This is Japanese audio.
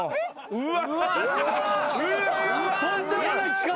うわ。